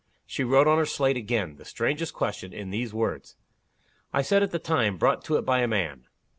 She wrote on her slate again the strangest question in these words: 'I said, at the time, brought to it by a man.